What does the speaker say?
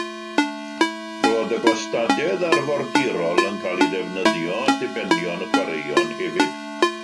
Roedd y gwastadedd arfordirol yn cael ei ddefnyddio at ddibenion chwaraeon hefyd.